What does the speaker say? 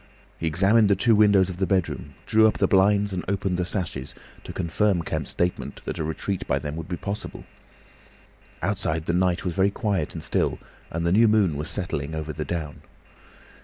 He examined the two windows of the bedroom, drew up the blinds and opened the sashes, to confirm Kemp's statement that a retreat by them would be possible. Outside the night was very quiet and still, and the new moon was setting over the down.